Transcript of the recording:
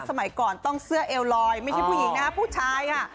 สมัยก่อนต้องเสื้อเอลลอยไม่ใช่ผู้หญิงนะคะผู้ชายค่ะ